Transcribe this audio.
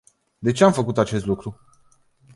De ce am făcut acest lucru?